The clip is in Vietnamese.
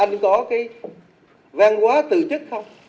anh có cái vang hóa từ chức không